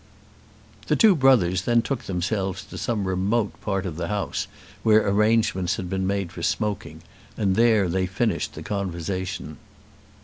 The two brothers then took themselves to some remote part of the house where arrangements had been made for smoking, and there they finished the conversation.